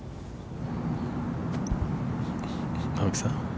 ◆青木さん。